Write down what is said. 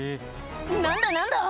何だ何だ？